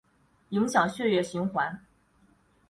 影响血液循环